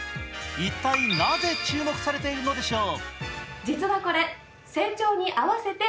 一体なぜ注目されているのでしょう。